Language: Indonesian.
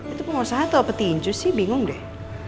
itu pengusaha tau apa tinju sih bingung deh